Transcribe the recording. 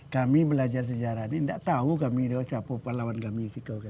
kami belajar sejarah ini tidak tahu kami itu siapa pelawan kami siapa